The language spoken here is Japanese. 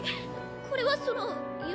これはその夢